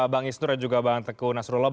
bang isnur dan bang tekuh nasrullah